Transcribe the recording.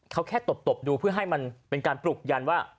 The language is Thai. เขาแค่ตบดูเพื่อให้มันเป็นการปลุกยันว่า